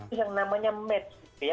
itu yang namanya med